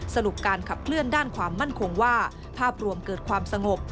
สรุปการขับเคลื่อนด้านความมั่นคงว่าภาพรวมเกิดความสงบ